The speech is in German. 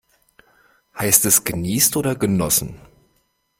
Heißt es geniest oder genossen?